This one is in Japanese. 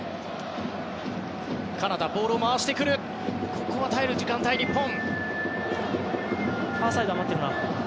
ここは耐える時間帯、日本。